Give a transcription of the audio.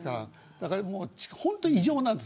だから本当に異常なんです。